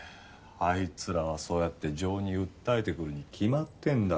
あいつらはそうやって情に訴えてくるに決まってんだから。